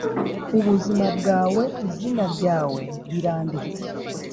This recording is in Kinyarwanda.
ubuzima bwawe izina ryawe biranditse